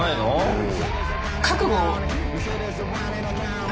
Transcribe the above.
うん。